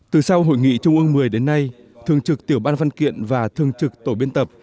từ sau hội nghị trung ương một mươi đến nay thường trực tiểu ban văn kiện và thường trực tổ biên tập